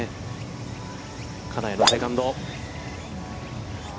金谷のセカンド。